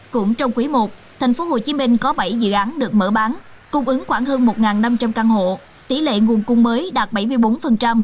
cũng trong quý i tp hcm có bảy dự án được mở bán cung ứng khoảng hơn một năm trăm linh căn hộ tỷ lệ nguồn cung mới đạt bảy mươi bốn